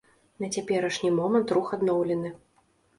На цяперашні момант рух адноўлены.